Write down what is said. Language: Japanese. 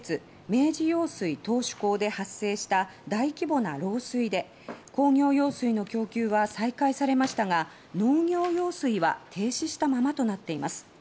明治用水頭首工で発生した大規模な漏水で工業用水の供給は再開されましたが農業用水は停止したままとなっています。